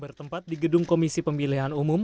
bertempat di gedung komisi pemilihan umum